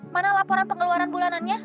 mana laporan pengeluaran bulanannya